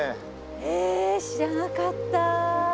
え知らなかった。